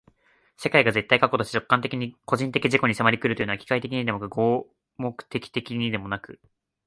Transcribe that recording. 世界が絶対過去として直観的に個人的自己に迫り来るというのは、機械的にでもなく合目的的にでもなく、